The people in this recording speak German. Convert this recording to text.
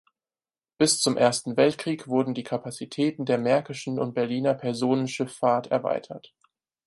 Bis zum Ersten Weltkrieg wurden die Kapazitäten der Märkischen und Berliner Personenschifffahrt erweitert.